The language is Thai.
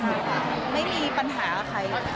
เพราะเขาไม่ได้รู้เพราะเขาเป็นคนที่แฟลลี่กับทุกคน